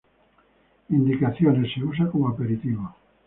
Indicaciones: se usa como aperitivo.